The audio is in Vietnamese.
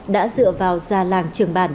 đã dựa vào già làng trường bản